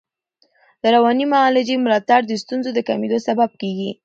د رواني معالجې ملاتړ د ستونزو د کمېدو سبب کېږي.